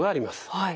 はい。